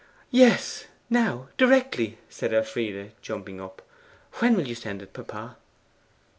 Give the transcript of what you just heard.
'Yes, now, directly!' said Elfride, jumping up. 'When will you send it, papa?